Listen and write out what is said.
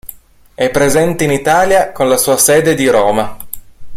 È presente in Italia con la sua sede di Roma.